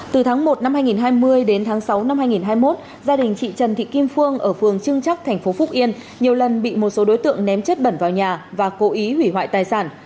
từ tháng một năm hai nghìn hai mươi đến tháng sáu năm hai nghìn hai mươi một gia đình chị trần thị kim phương ở phường trưng chắc tp phúc yên nhiều lần bị một số đối tượng ném chất bẩn vào nhà và cố ý hủy hoại tài sản